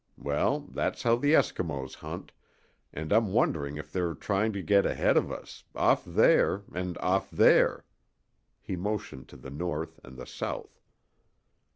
Well, that's how the Eskimos hunt, and I'm wondering if they're trying to get ahead of us off there, and off there." He motioned to the north and the south.